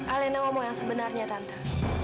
alena ngomong yang sebenarnya tante